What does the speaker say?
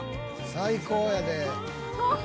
最高やで。